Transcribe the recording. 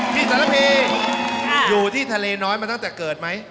สารพีอยู่ที่ทะเลน้อยมาตั้งแต่เกิดไหม